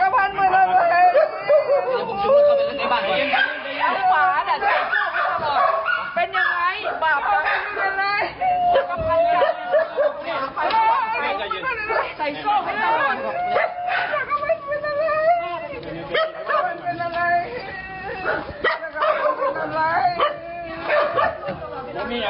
เป็นยังไงบ้าไป